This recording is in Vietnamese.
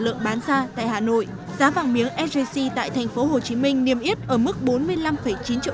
lượng bán ra tại hà nội giá vàng miếng sjc tại thành phố hồ chí minh niêm yết ở mức bốn mươi năm chín triệu